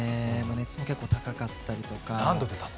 熱も結構高かったりとか。